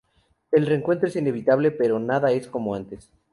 El reencuentro es inevitable, pero nada es como antes.